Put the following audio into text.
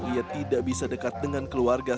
ia tidak bisa dekat dengan keluarga